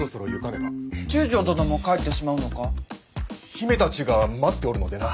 姫たちが待っておるのでな。